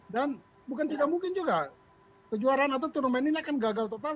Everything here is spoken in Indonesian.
dan bukan tidak mungkin juga kejuaraan atau turun main ini akan gagal total